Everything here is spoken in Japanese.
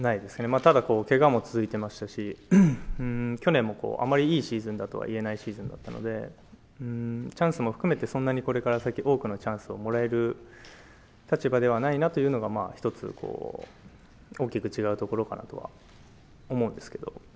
ただ、けがも続いていましたし、去年もあまりいいシーズンだとは言えないシーズンだったので、チャンスも含めて、そんなにこれから先、多くのチャンスをもらえる立場ではないなというのが１つ大きく違うところかなとは思うんですけど。